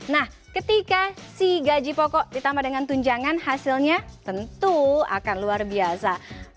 nah ketika si gaji pokok ditambah dengan tunjangan hasilnya tentu akan luar biasa